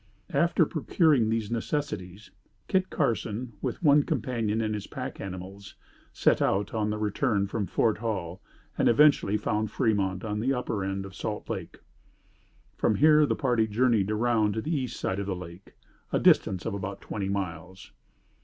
After procuring these necessities, Kit Carson, with one companion and his pack animals, set out on the return from Fort Hall and eventually found Fremont on the upper end of Salt Lake. From here the party journeyed around to the east side of the lake, a distance of about twenty miles.